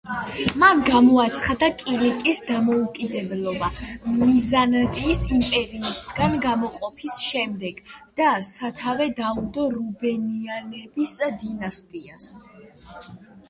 მან გამოაცხადა კილიკიის დამოუკიდებლობა ბიზანტიის იმპერიისგან გამოყოფის შემდეგ და სათავე დაუდო რუბენიანების დინასტიას.